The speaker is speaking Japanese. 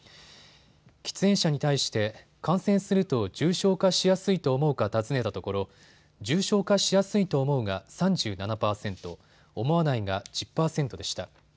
喫煙者に対して感染すると重症化しやすいと思うか尋ねたところ重症化しやすいと思うが３７％、思わないが１０％でした。